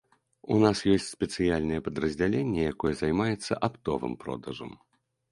У нас ёсць спецыяльнае падраздзяленне, якое займаецца аптовым продажам.